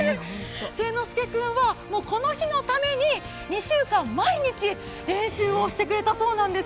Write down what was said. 誠ノ介君はこの日のために２週間毎日練習をしてくれたんです。